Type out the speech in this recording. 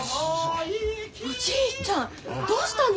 おじいちゃんどうしたの！？